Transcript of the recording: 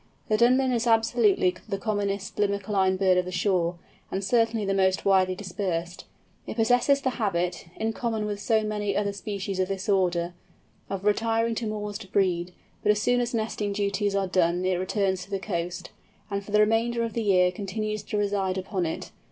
The Dunlin is absolutely the commonest Limicoline bird of the shore, and certainly the most widely dispersed. It possesses the habit, in common with so many other species of this order, of retiring to moors to breed; but as soon as nesting duties are done it returns to the coast, and for the remainder of the year continues to reside upon it.